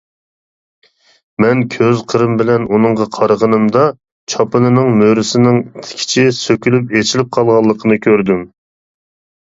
مەن كۆز قىرىم بىلەن ئۇنىڭغا قارىغىنىمدا، چاپىنىنىڭ مۈرىسىنىڭ تىكىچى سۆكۈلۈپ ئېچىلىپ قالغانلىقىنى كۆردۈم.